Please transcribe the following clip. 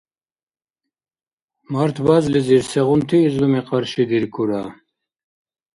Март базлизир сегъунти излуми къаршидиркура?